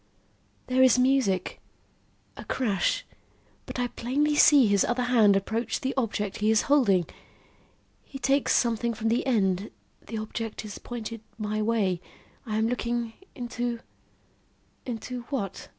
"There is music a crash but I plainly see his other hand approach the object he is holding. He takes something from the end the object is pointed my way I am looking into into what?